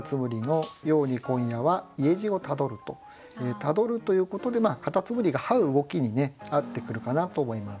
「たどる」ということでカタツムリが這う動きにね合ってくるかなと思います。